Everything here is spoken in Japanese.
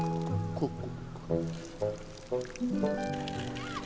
ここ。